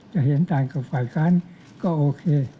เห็นต่างกับฝ่ายค้านก็โอเค